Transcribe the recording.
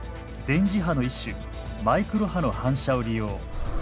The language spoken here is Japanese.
電磁波の一種マイクロ波の反射を利用。